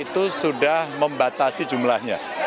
itu sudah membatasi jumlahnya